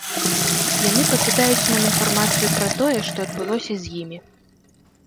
Яны пакідаюць нам інфармацыю пра тое, што адбылося з імі.